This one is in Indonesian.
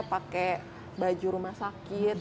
pakai baju rumah sakit